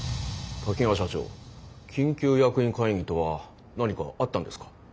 滝川社長緊急役員会議とは何かあったんですか？